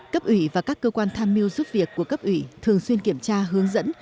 cấp ủy và các cơ quan tham mưu giúp việc của cấp ủy thường xuyên kiểm tra hướng dẫn